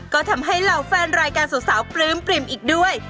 ก็ทำให้เหล่าแฟนรายการสาวปลื้มปริ่มอีกด้วย